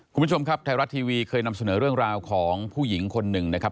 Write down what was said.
คุณผู้ชมครับไทยรัฐทีวีเคยนำเสนอเรื่องราวของผู้หญิงคนหนึ่งนะครับ